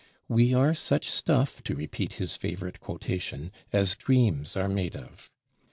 We are such stuff, to repeat his favorite quotation, as dreams are made of.